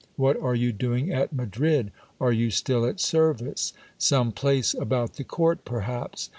What are you doing at Madrid ? Are you still at service ? Some place about the court perhaps